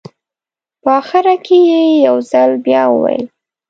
په اخره کې یې یو ځل بیا وویل.